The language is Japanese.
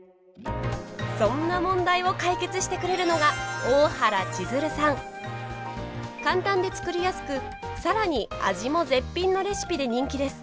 そんな問題を解決してくれるのが簡単で作りやすくさらに味も絶品のレシピで人気です。